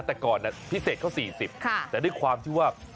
แต่ก่อนพิเศษเขา๔๐แต่ด้วยความที่ว่า